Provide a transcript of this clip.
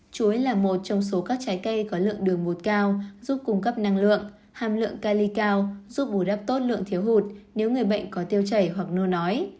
chuối là một trong số các trái cây có lượng đường bột cao giúp cung cấp năng lượng hàm lượng cali cao giúp bù đắp tốt lượng thiếu hụt nếu người bệnh có tiêu chảy hoặc nô nói